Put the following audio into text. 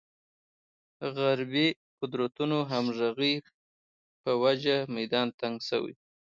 غربې قدرتونو همغږۍ په وجه میدان تنګ شوی.